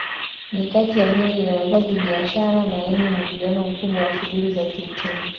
Ni kati ya miji inayokua kibiashara na yenye muingiliano mkubwa wa shughuli za kiuchumi